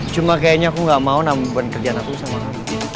cuma kayaknya aku gak mau nambahkan kerjaan aku sama kamu